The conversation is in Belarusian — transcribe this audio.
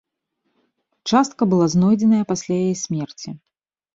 Частка была знойдзеная пасля яе смерці.